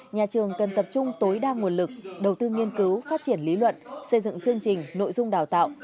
nhà trường cần tập trung tối đa nguồn lực đầu tư nghiên cứu phát triển lý luận xây dựng chương trình nội dung đào tạo